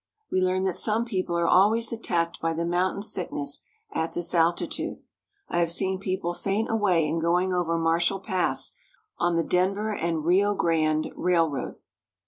We learn that some people are always attacked by the mountain sickness at this altitude. I have seen people faint away in going over Marshall Pass, on the Denver and Rio Grande Railroad.